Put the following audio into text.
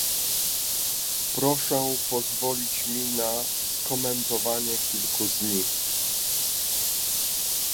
Proszę pozwolić mi na skomentowanie kilku z nich